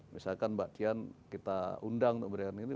misalkan mbak dian kita undang untuk memberikan ini